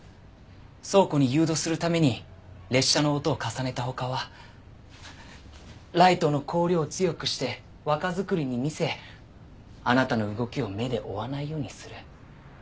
倉庫に誘導するために列車の音を重ねた他はライトの光量を強くして若作りに見せあなたの動きを目で追わないようにする。